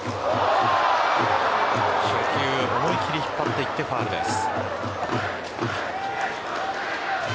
初球、思い切り引っ張っていってファウルです。